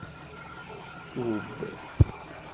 Kubb.